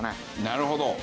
なるほど。